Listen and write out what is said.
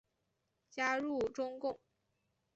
加入中共。